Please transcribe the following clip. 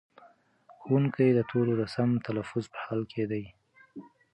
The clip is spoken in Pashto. ښوونکی د تورو د سم تلفظ په حال کې دی.